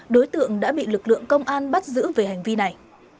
đối tượng đã bị lực lượng công an bắt giữ về hành vi này